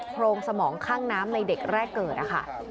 โรงสมองข้างน้ำในเด็กแรกเกิดนะคะ